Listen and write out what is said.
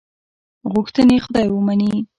غوښتنې خدای ومني.